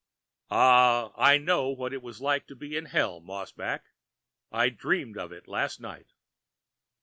"Ah I know what it is like to be in hell, Mossback. I dreamed of it last night."